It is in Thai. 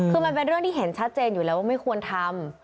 คือมันเป็นเรื่องที่เห็นชัดเจนอยู่แล้วว่าไม่ควรทำ